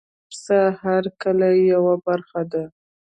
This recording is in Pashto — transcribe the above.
پسه د هر کلي یو برخه ده.